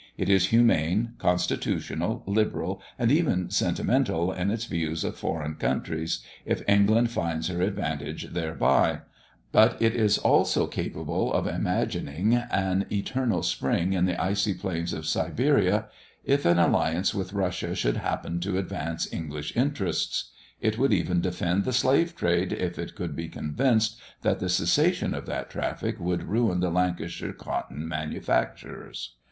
It is humane, constitutional, liberal, and even sentimental in its views of foreign countries, if England finds her advantage thereby; but it is also capable of imagining an eternal spring in the icy plains of Siberia, if an alliance with Russia should happen to advance English interests. It would even defend the slave trade, if it could be convinced that the cessation of that traffic would ruin the Lancashire cotton manufacturers.